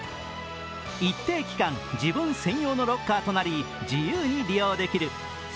一定期間、自分専用のロッカーとなり自由に利用できる。